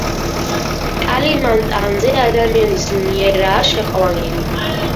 კალიმანტანზე ადამიანის მიერაა შეყვანილი.